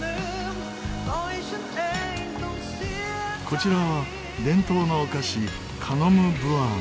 こちらは伝統のお菓子カノムブアン。